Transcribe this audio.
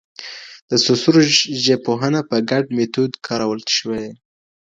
د سوسور ژبپوهنه په ګډ مېتود کارول شوې.